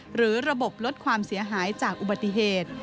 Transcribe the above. หรือระบบลดความเสียหายจากอุบัติเหตุ